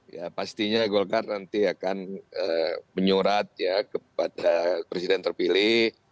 ya pastinya golkar nanti akan menyurat ya kepada presiden terpilih